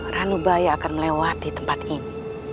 ranubaya akan melewati tempat ini